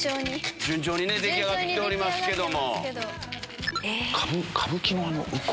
順調に出来上がってますけど。